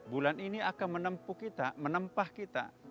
bulan ini akan menempuh kita menempah kita